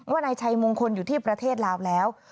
นายชัยมงคลอยู่ที่ประเทศลาวแล้ว